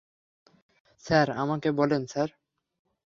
Sir, আমাকে বলেন, sir.